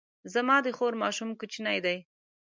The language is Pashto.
زما د خور ماشوم کوچنی دی